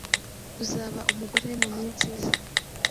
uzaba umugore we muminsi iza.